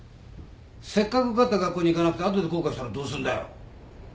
せっかく受かった学校に行かなくて後で後悔したらどうすんだよ。